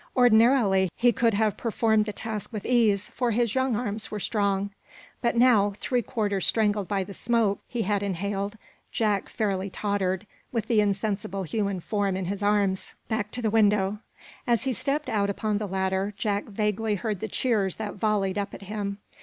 Ordinarily he could have performed the task with ease, for his young arms were strong. But now, three quarters strangled by the smoke he had inhaled, Jack fairly tottered, with the insensible human form in his arms, back to the window: As he stepped out upon the ladder Jack vaguely heard the cheers that volleyed up at him.